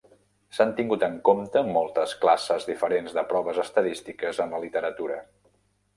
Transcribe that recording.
S'han tingut en compte moltes classes diferents de proves estadístiques en la literatura.